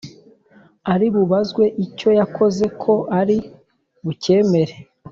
ari bubazwe icyo yakoze, ko ari bucyemere